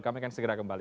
kami akan segera kembali